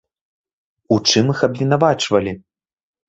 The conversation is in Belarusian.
У чым іх абвінавачвалі?